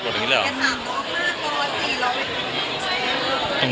คุณค่ะ